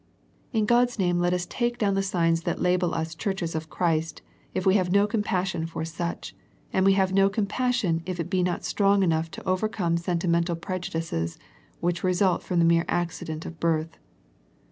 In God's name let us take down the signs that label us churches of Christ if we have no compassion for such, and we have no compassion if it be not strong enough to over come sentimental prejudices, which result from the mere accident of birth.